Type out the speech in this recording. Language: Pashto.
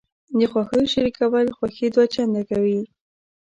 د خوښیو شریکول خوښي دوه چنده کوي.